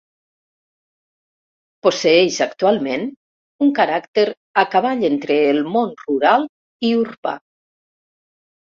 Posseïx actualment un caràcter a cavall entre el món rural i urbà.